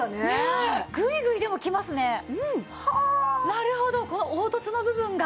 なるほどこの凹凸の部分が。